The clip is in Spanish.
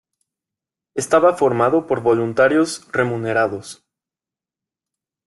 Estaba formado por voluntarios remunerados.